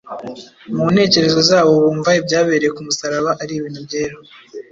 Mu ntekerezo zabo bumva ibyabereye ku musaraba ari ibintu byera.